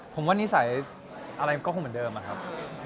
ผมว่านิสัยอะไรก็คงเหมือนเดิมนะครับ